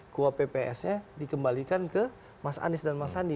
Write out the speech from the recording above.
kuap pps nya dikembalikan ke mas anies dan mas sandi